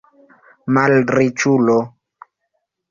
malriĉulo